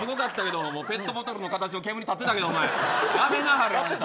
ペットボトルの形の煙たってたけどやめなはれ。